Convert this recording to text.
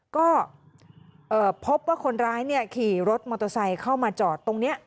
ก็พบว่าคนร้ายขี่รถมอเตอร์ไซค์เข้ามาจอดตรงนี้